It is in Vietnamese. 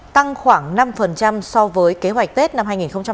tăng khoảng năm so với kế hoạch tết năm hai nghìn hai mươi